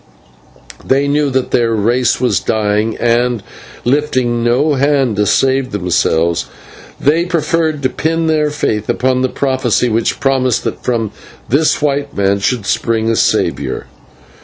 They knew that their race was dying and, lifting no hand to save themselves, they preferred to pin their faith upon the prophecy which promised that from this white man should spring a saviour.